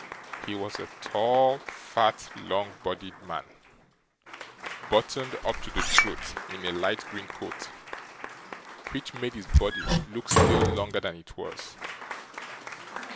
He was a tall, fat, long bodied man, buttoned up to the throat in a light green coat, which made his body look still longer than it was.